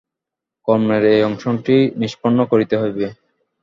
কর্মের এই অংশটি নিষ্পন্ন করিতে হইবে।